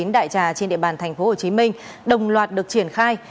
đại trà trên địa bàn thành phố hồ chí minh đồng loạt được triển khai